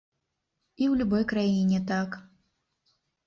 І ў любой краіне так.